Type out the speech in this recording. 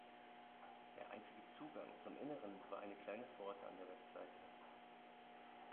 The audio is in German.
Der einzige Zugang zum Inneren war eine kleine Pforte an der Westseite.